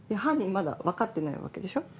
まだ分かってないわけでしょ？